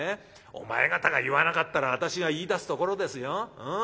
お前方が言わなかったら私が言いだすところですよ。